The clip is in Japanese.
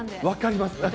分かります。